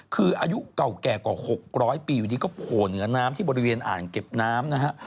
คืออายุเก่าแก่กว่า๖๐๐ปีอยู่ดีก็โผล่เหนือน้ำที่บริเวณอ่างเก็บน้ำนะฮะ